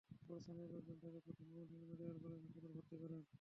পরে স্থানীয় লোকজন তাঁকে প্রথমে ময়মনসিংহ মেডিকেল কলেজ হাসপাতালে ভর্তি করেন।